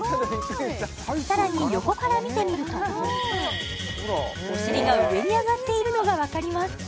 さらに横から見てみるとお尻が上に上がっているのがわかります